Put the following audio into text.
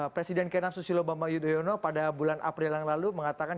presiden ke enam susilo bambang yudhoyono pada bulan april yang lalu mengatakan